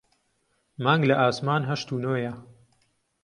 مانگ لە ئاسمان هەشت و نۆیە